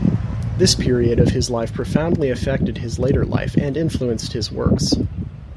This period of his life profoundly affected his later life and influenced his works.